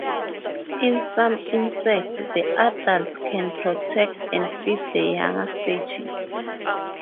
In some insects, the adults can protect and feed the younger stages.